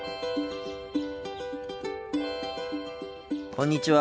こんにちは。